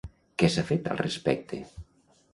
Què s'ha fet al respecte?